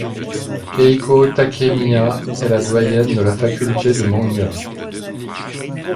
Keiko Takemiya est la doyenne de la faculté de manga.